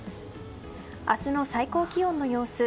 明日の最高気温の様子